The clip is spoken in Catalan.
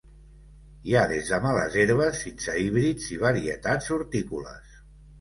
Hi ha des de males herbes fins a híbrids i varietats hortícoles.